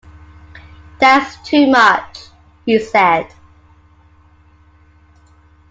“That’s too much,” he said.